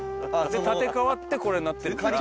建て替わってこれになってるから。